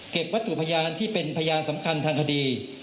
วัตถุพยานที่เป็นพยานสำคัญทางคดี